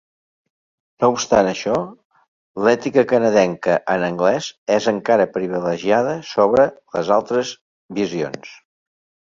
No obstant això, l'ètica canadenca en anglès és encara privilegiada sobre les altres visions.